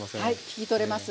聞き取れます。